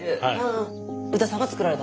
宇田さんが作られた？